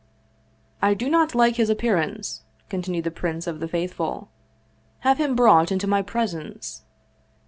" I do not like his appearance," continued the Prince of the Faithful; " have him brought into my presence."